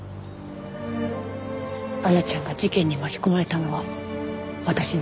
綾ちゃんが事件に巻き込まれたのは私の。